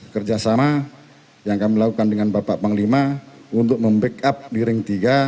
kerjasama yang kami lakukan dengan bapak panglima untuk membackup di ring tiga